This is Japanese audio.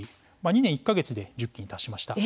２年１か月で１０期に達しました。